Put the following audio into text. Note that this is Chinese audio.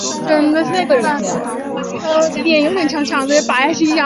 首府为朗布隆。